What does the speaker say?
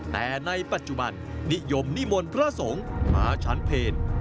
แต่ในปัจจุบันนิยมนิมนต์พระสงฆ์มาชั้นเพล